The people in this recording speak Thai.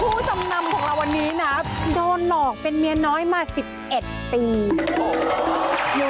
ผู้จำนำของเราวันนี้นะโดนหลอกเป็นเมียน้อยมา๑๑ปี